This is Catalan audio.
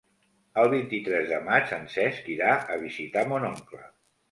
El vint-i-tres de maig en Cesc irà a visitar mon oncle.